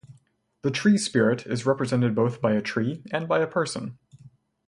The tree spirit is represented both by a tree and by a person.